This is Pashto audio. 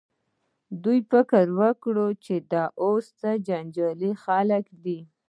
دې فکر وکړ چې دا اوس څه جنجالي خلک دي.